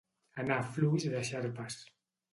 Anar fluix de xarpes.